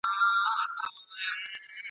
شپې د عمر غلیماني ورځي وخوړې کلونو ..